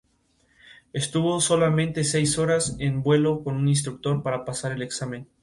Estuvo solamente seis horas en vuelo con un instructor para pasar el examen.